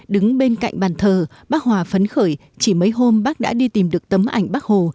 đứng bên cạnh bàn thờ bác hòa phấn khởi chỉ mấy hôm bác đã đi tìm được tấm ảnh bác hồ